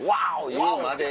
言うまで。